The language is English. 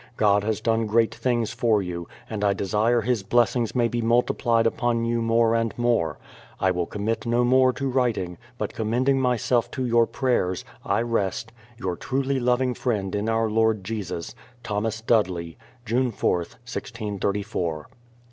God has done great things for you, and I desire His blessings may be multiplied upon you more and more. I will commit no more to writing, but com mending myself to your prayers, I rest Your truly loving friend in our Lord Jesus, June 4th, 1634. THOMAS DUDLEY.